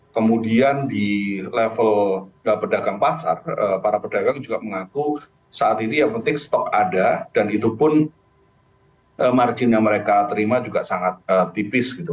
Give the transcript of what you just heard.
kemudian di level pedagang pasar para pedagang juga mengaku saat ini yang penting stok ada dan itu pun margin yang mereka terima juga sangat tipis gitu